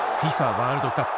ワールドカップ